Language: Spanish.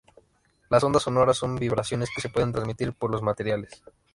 Las ondas sonoras son vibraciones que se pueden transmitir por los materiales.